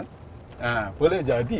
nah boleh jadi